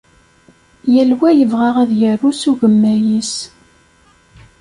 Yal wa yebɣa ad yaru s ugemmay-is.